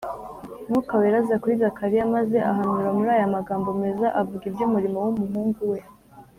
Mwuka Wera aza kuri Zakariya, maze ahanura muri aya magambo meza avuga iby’umurimo w’umuhungu we